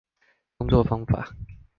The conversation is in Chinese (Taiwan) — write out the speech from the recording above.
工作方法